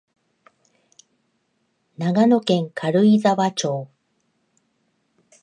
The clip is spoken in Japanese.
長野県軽井沢町